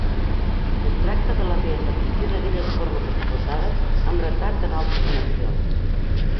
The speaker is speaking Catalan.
Es tracta de la reaparició de velles formes explotades amb retard en altres nacions.